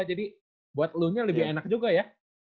jadi buat elunya lebih enak juga ya